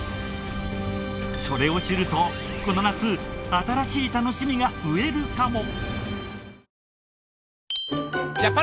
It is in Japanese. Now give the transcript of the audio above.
それを知るとこの夏新しい楽しみが増えるかも！